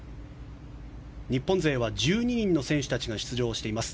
日本勢は１２人の選手たちが出場しています。